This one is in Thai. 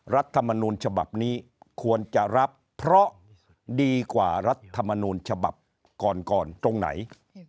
รัฐมนูลฉบับนี้ควรจะรับเพราะดีกว่ารัฐมนูลฉบับก่อนก่อนตรงไหน